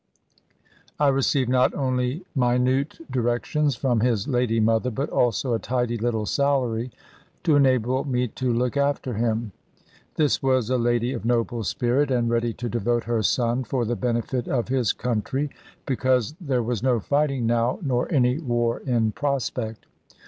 I received not only minute directions from his lady mother, but also a tidy little salary, to enable me to look after him. This was a lady of noble spirit, and ready to devote her son for the benefit of his country; because there was no fighting now, nor any war in prospect.